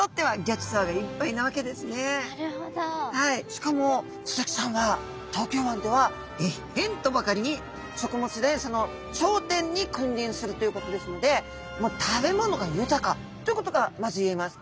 しかもスズキちゃんは東京湾ではえっへんとばかりに食物連鎖の頂点に君臨するということですのでもう食べ物が豊かということがまず言えます。